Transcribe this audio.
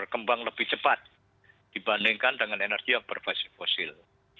dan pengembangan lebih cepat dibandingkan dengan energi yang berbasis fosil